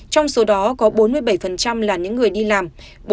trong số đó có bốn mươi bảy là những người đi làm